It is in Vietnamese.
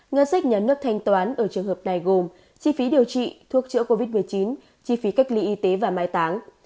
ngân sách nhà nước thanh toán ở trường hợp này gồm chi phí điều trị thuốc chữa covid một mươi chín chi phí cách ly y tế và mai táng